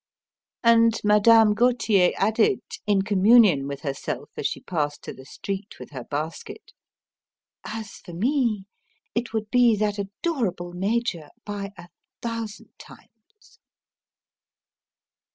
And Madame Gauthier added, in communion with herself as she passed to the street with her basket: "As for me, it would be that adorable Major by a thousand times!"